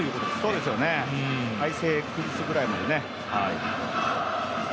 そうですね、体勢崩すぐらいまでね。